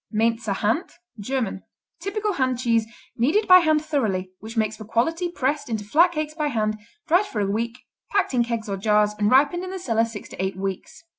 Mainzer Hand German Typical hand cheese, kneaded by hand thoroughly, which makes for quality, pressed into flat cakes by hand, dried for a week, packed in kegs or jars and ripened in the cellar six to eight weeks.